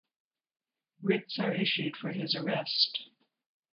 Writs are issued for his arrest.